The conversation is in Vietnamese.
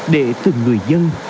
để từng người dân